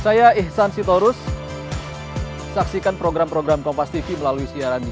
saya tidak tahu mungkin sebagian fraksi apakah masih menunggu sampai finalnya proses mk